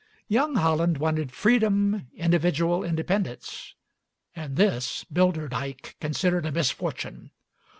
Young Holland wanted freedom, individual independence, and this Bilderdijk considered a misfortune.